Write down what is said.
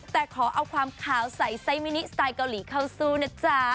แต่ขอเอาความขาวใส่ไซมินิสไตล์เกาหลีเข้าสู้นะจ๊ะ